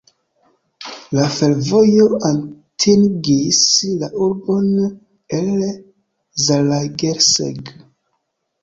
La fervojo atingis la urbon el Zalaegerszeg.